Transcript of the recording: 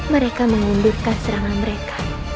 mereka mengundurkan serangan mereka